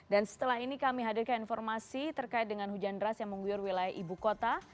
dan setelah ini kami hadirkan informasi terkait dengan hujan deras yang mengguyur wilayah ibu kota